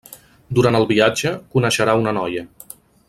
Durant el viatge, coneixerà una noia.